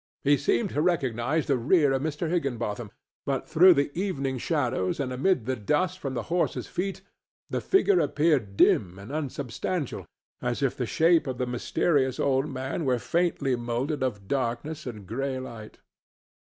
He seemed to recognize the rear of Mr. Higginbotham, but through the evening shadows and amid the dust from the horse's feet the figure appeared dim and unsubstantial, as if the shape of the mysterious old man were faintly moulded of darkness and gray light.